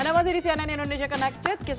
halo teman teman di sianan indonesia connected